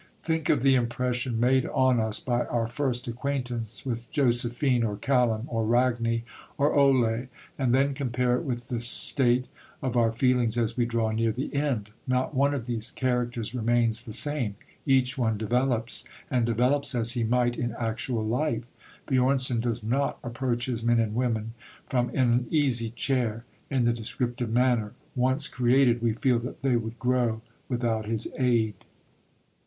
Think of the impression made on us by our first acquaintance with Josephine, or Kallem, or Ragni, or Ole; and then compare it with the state of our feelings as we draw near the end. Not one of these characters remains the same; each one develops, and develops as he might in actual life. Björnson does not approach his men and women from an easy chair, in the descriptive manner; once created, we feel that they would grow without his aid.